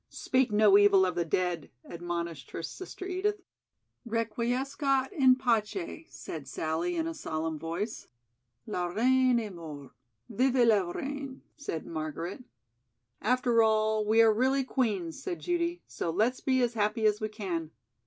"Speak no evil of the dead," admonished her sister Edith. "Requiescat in pace," said Sallie in a solemn voice. "La reine est morte; vive la reine," said Margaret. "After all, we are really 'Queen's'" said Judy, "so let's be as happy as we can.